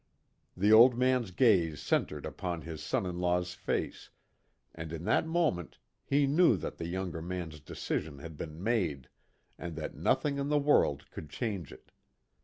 The old man's gaze centered upon his son in law's face, and in that moment he knew that the younger man's decision had been made, and that nothing in the world could change it.